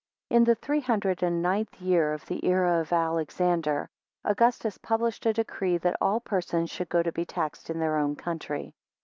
4 In the three hundred and ninth year of the era of Alexander, Augustus published a decree that all persons should go to be taxed in their own country.